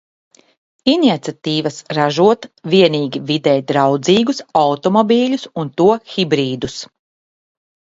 Iniciatīvas ražot vienīgi videi draudzīgus automobiļus un to hibrīdus.